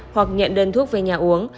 hoặc nhận đơn thuốc về nhà uống